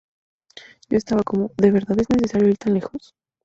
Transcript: Yo estaba como, '¿De verdad es necesario ir tan lejos?